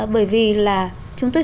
bởi vì là chúng tôi